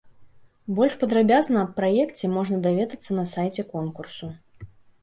Больш падрабязна аб праекце можна даведацца на сайце конкурсу.